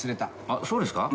あっそうですか？